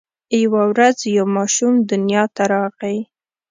یوه ورځ یو ماشوم دنیا ته راغی.